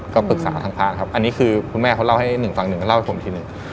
ก็ปรึกษาทางพระครับอันนี้คือคุณแม่เขาเล่าให้หนึ่งฟังหนึ่งก็เล่าให้ผมทีหนึ่ง